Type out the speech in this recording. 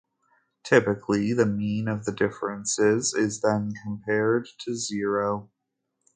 Typically the mean of the differences is then compared to zero.